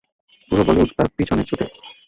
পুরো বলিউড তার পিছনে ছুটে।